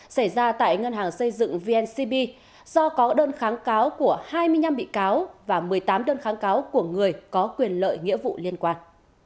xảy ra tại ngân hàng xây dựng vncb do có đơn kháng cáo của hai mươi năm bị cáo và một mươi tám đơn kháng cáo của người có quyền lợi nghĩa vụ liên quan